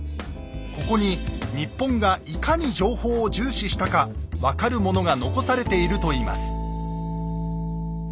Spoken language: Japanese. ここに日本がいかに情報を重視したか分かるものが残されているといいます。